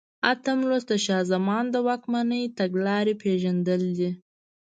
اتم لوست د شاه زمان د واکمنۍ تګلارې پېژندل دي.